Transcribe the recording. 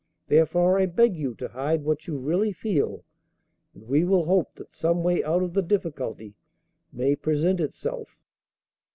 Therefore I beg you to hide what you really feel, and we will hope that some way out of the difficulty may present itself.